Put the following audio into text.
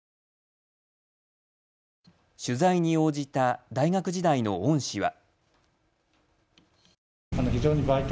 取材に応じた大学時代の恩師は。